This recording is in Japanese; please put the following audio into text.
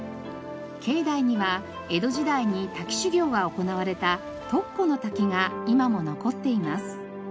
境内には江戸時代に滝修行が行われた独鈷の滝が今も残っています。